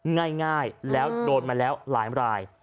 ง่ายแล้วโดนมาแล้วหลายราย